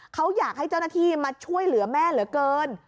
เขาอยากให้เจ้าหน้าที่มาช่วยเหลือแม่เหลือเกิน